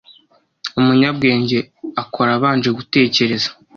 umunyabwenge akora abanje gutekereza